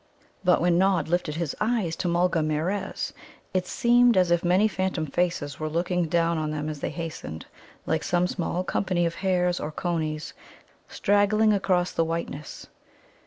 But when Nod lifted his eyes to Mulgarmeerez, it seemed as if many phantom faces were looking down on them as they hastened, like some small company of hares or coneys, straggling across the whiteness.